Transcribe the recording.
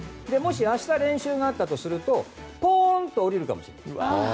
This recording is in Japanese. もし明日、練習があったとするとポーンと降りるかもしれない。